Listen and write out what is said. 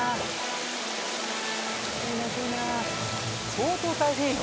相当大変よ。